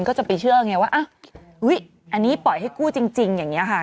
ก็จะไปเชื่อไงว่าอันนี้ปล่อยให้กู้จริงอย่างนี้ค่ะ